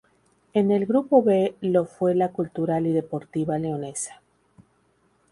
En el grupo B lo fue la Cultural y Deportiva Leonesa.